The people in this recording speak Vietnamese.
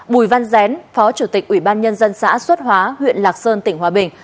bùi văn dén phó chủ tịch ubnd xã xuất hóa huyện lạc sơn tỉnh hòa bình